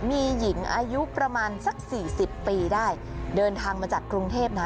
มีหญิงอายุประมาณสักสี่สิบปีได้เดินทางมาจากกรุงเทพนะ